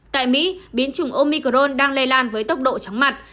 tại mỹ biến chủng omicron đang lây lan với tốc độ chóng mặt